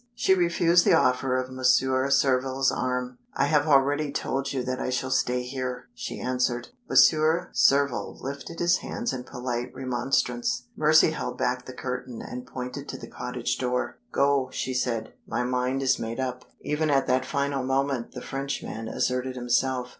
She refused the offer of Monsieur Surville's arm. "I have already told you that I shall stay here," she answered. Monsieur Surville lifted his hands in polite remonstrance. Mercy held back the curtain, and pointed to the cottage door. "Go," she said. "My mind is made up." Even at that final moment the Frenchman asserted himself.